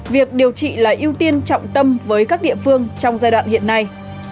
việc điều trị là ưu tiên trọng tâm với các địa phương trong giai đoạn hiện nay